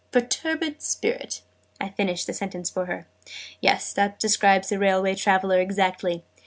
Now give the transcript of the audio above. " perturbed Spirit!"' I finished the sentence for her. "Yes, that describes a railway traveler exactly!